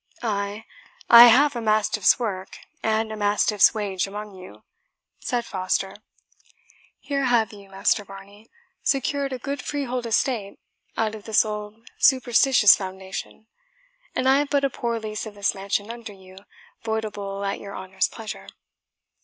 "Ay, I have a mastiff's work and a mastiff's wage among you," said Foster. "Here have you, Master Varney, secured a good freehold estate out of this old superstitious foundation; and I have but a poor lease of this mansion under you, voidable at your honour's pleasure."